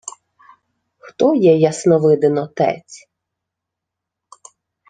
— Хто є Ясновидин отець?